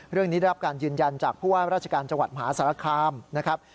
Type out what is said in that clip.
ได้รับการยืนยันจากผู้ว่าราชการจังหวัดมหาสารคามนะครับ